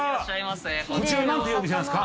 こちら何というお店なんですか？